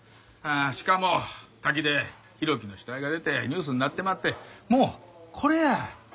しかも滝で浩喜の死体が出てニュースになってまってもうこれや。